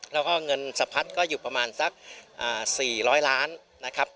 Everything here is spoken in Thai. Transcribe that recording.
แล้วก็เงินสะพัดก็อยู่ประมาณสัก๔๐๐ล้านนะครับ